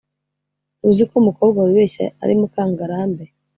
ntuzi ko umukobwa wibeshya ari muka ngarambe.